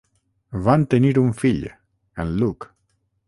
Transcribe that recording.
Van tenir un fill, en Luke.